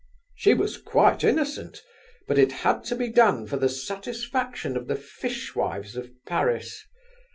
She was quite innocent, but it had to be done, for the satisfaction of the fishwives of Paris.